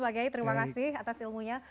pak gai terima kasih atas ilmunya